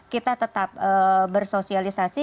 kita tetap bersosialisasi